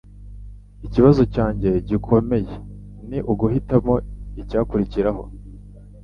Ikibazo cyanjye gikomeye ni uguhitamo icyakurikiraho